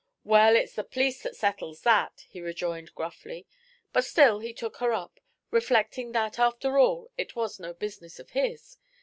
"Well, it's the police that settles that," he rejoined, gruffly, but still he took her up, reflecting that, after all, it was no business of his.